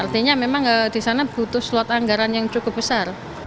artinya memang di sana butuh slot anggaran yang cukup besar